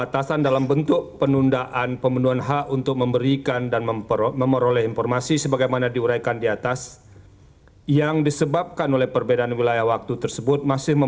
tentang kesalahan tersebut